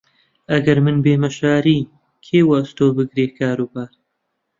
ئەگەر من بێمە شاری، کێ وەئەستۆ بگرێ کاروبار؟